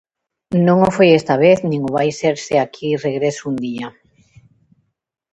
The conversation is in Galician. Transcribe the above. Non o foi esta vez nin o vai ser se aquí regreso un día.